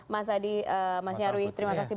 mas adi mas nyarwi terima kasih